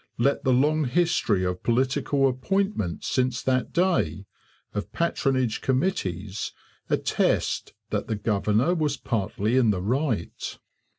Let the long history of political appointments since that day, of patronage committees, attest that the governor was partly in the right.